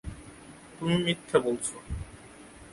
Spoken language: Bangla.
তুমি মিথ্যে বলছো।